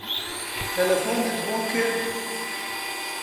تەلەفۆنت بۆ کرد؟